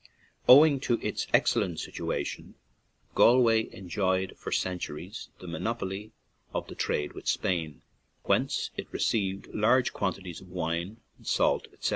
Owing to its excellent situation, Gal way enjoyed for centuries the monopoly of the trade with Spain, whence it received large quantities of wine, salt, etc.